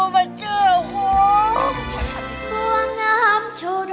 แม่หนูขอโทษ